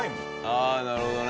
ああなるほどね。